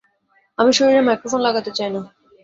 আমি শরীরে মাইক্রোফোন লাগাতে চাই না।